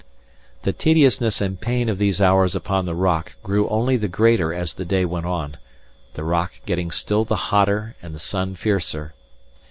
The tediousness and pain of these hours upon the rock grew only the greater as the day went on; the rock getting still the hotter and the sun fiercer.